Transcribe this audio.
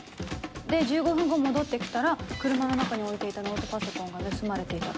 で１５分後戻って来たら車の中に置いていたノートパソコンが盗まれていたと。